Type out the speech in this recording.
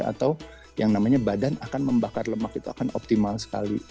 atau yang namanya badan akan membakar lemak itu akan optimal sekali